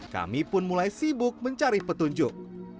kami pun mulai sibuk mencari petunjuk